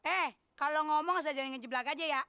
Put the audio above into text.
eh kalau ngomong saya jangan ngejeblak aja ya